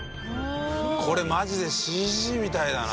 これマジでＣＧみたいだな。